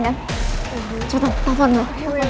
cepat kita turun dulu